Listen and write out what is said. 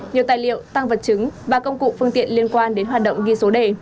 nhiều tài liệu tăng vật chứng và công cụ phương tiện liên quan đến hoạt động ghi số đề